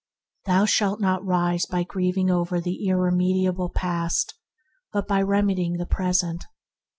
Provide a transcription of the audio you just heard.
Thou shalt not rise by grieving over the irre mediable past, but by remedying the present.